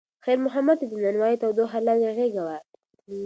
خیر محمد ته د نانوایۍ تودوخه لکه غېږ وه.